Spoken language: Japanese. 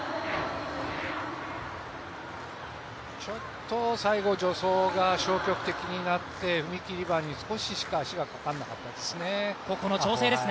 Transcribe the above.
ちょっと最後助走が消極的になって踏み切り板に、少ししか足がかからなかったですね。